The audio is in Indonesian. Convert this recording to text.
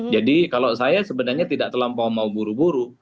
jadi kalau saya sebenarnya tidak terlampau mau buru buru